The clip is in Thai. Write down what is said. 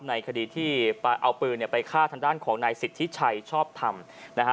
ในคดีที่เอาปืนเนี่ยไปฆ่าทางด้านของนายสิทธิชัยชอบทำนะฮะ